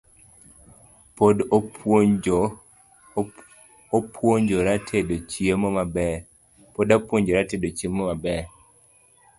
Pod apuonjora tedo chiemo maber